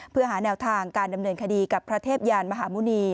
เพื่อหาแนวทางการดำเนินคดีกับพระเทพยานมหาหมุณี